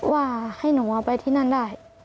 ว่าให้หนูเอาไปที่นั่นได้